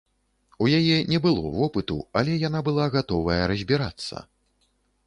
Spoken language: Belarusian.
У яе не было вопыту, але яна была гатовая разбірацца.